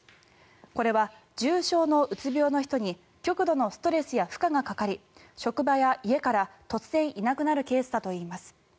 これは重症のうつ病の人に極度のストレスや負荷がかかり職場や家から突然いなくなるケースだといいます。